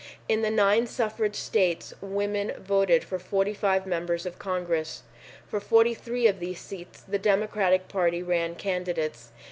In the nine suffrage states women vote3 for 45 members of Congress. For 43 of these seats the Democratic Party ran candidates.